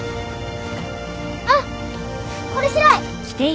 あっこれ白い！